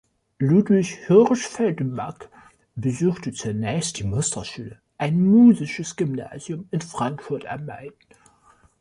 Ludwig Hirschfeld-Mack besuchte zunächst die Musterschule, ein musisches Gymnasium in Frankfurt am Main.